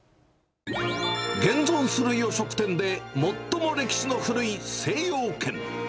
現存する洋食店で最も歴史の古い精養軒。